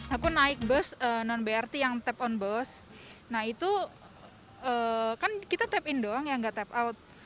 aku naik bus non brt yang tap on bus nah itu kan kita tap in doang yang nggak tap out